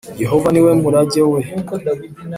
Yehova ni we murage we